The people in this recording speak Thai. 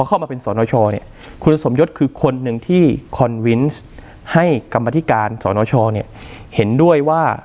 เข้ามาเป็นสนชเนี่ยคุณสมยศคือคนหนึ่งที่คอนเวนต์ให้กรรมธิการสนชเนี่ยเห็นด้วยว่า